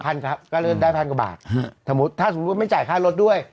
ครับก็เลยได้พันกว่าบาทถมุดถ้าสมมุติไม่จ่ายค่ารถด้วย